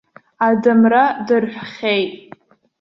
Адамра дырҳәхьеит.